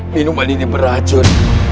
minuman ini beracun